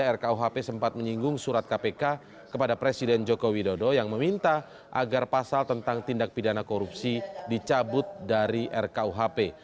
rkuhp sempat menyinggung surat kpk kepada presiden joko widodo yang meminta agar pasal tentang tindak pidana korupsi dicabut dari rkuhp